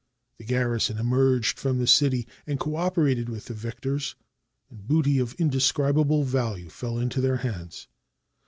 The garrison emerged from the city, and cooperated with the victors, and booty of indescribable value fell into their hands.